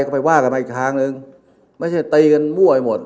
ก็ไปว่ากันมาอีกทางหนึ่งไม่ใช่ตีกันมั่วไปหมด